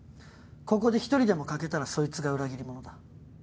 ここで一人でも欠けたらそいつが裏切り者だ。